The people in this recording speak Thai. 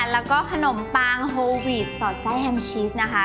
แล้วก็ขนมปังโฮวีดสอดไส้แฮมชีสนะคะ